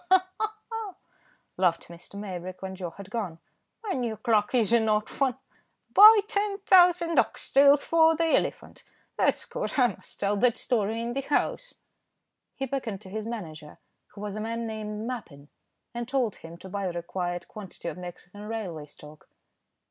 "Ha! ha! ha!" laughed Mr. Maybrick when Joe had gone, "my new clerk is an odd one; 'Buy 10,000 ox tails for the elephant,' that's good. I must tell that story in the House." He beckoned to his manager, who was a man named Mappin, and told him to buy the required quantity of Mexican railway stock.